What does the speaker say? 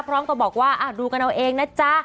พร้อมกับบอกว่าดูกันเอาเองนะจ๊ะ